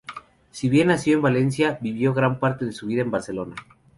Si bien nació en Valencia, vivió gran parte de su vida en Barcelona.